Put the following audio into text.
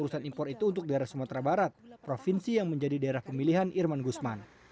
urusan impor itu untuk daerah sumatera barat provinsi yang menjadi daerah pemilihan irman gusman